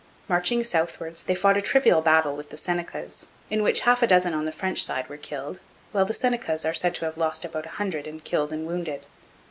Marching southwards they fought a trivial battle with the Senecas, in which half a dozen on the French side were killed, while the Senecas are said to have lost about a hundred in killed and wounded.